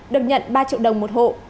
được nhận ba triệu đồng một hộ